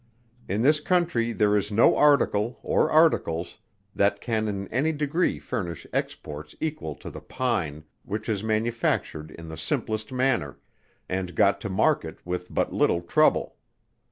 In this Country there is no article, or articles, that can in any degree furnish exports equal to the pine, which is manufactured in the simplest manner, and got to market with but little trouble.